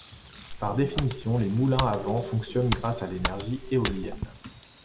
Par définition, les moulins à vent fonctionnent grâce à l’énergie éolienne.